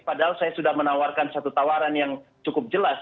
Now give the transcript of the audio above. padahal saya sudah menawarkan satu tawaran yang cukup jelas